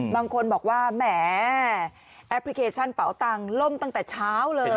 บางคนบอกว่าแหมแอปพลิเคชันเป๋าตังค์ล่มตั้งแต่เช้าเลย